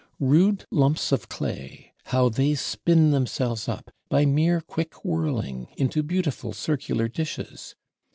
Rude lumps of clay, how they spin themselves up, by mere quick whirling, into beautiful circular dishes.